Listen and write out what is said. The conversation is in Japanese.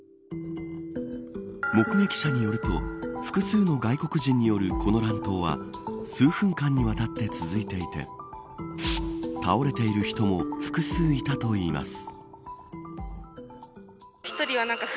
目撃者によると複数の外国人によるこの乱闘は数分間にわたって続いていて倒れている人も複数いたといいます。